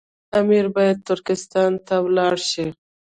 امیر باید ترکستان ته ولاړ شي.